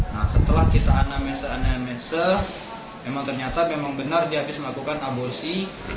nah setelah kita anam anam memang ternyata benar dia habis melakukan aborsi